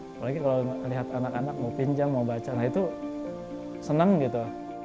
apalagi kalau lihat anak anak mau pinjam mau baca nah itu senang gitu